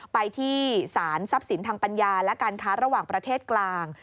ไปที่สารทรัพย์สินทางปัญญาและการค้าระหว่างประเทศกลาง